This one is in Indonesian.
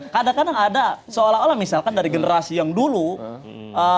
kadang kadang ada seolah olah misalkan dari generasi yang dulu